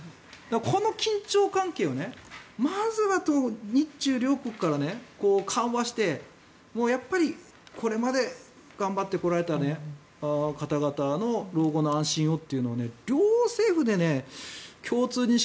この緊張関係をまずは日中両国から緩和してやっぱりこれまで頑張ってこられた方々の老後の安心をというのを両政府で共通認識